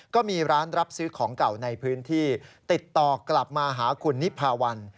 ก็มีร้านรับซื้อของเก่าในพื้นที่ติดต่อกลับมาหาคุณนิพาวัน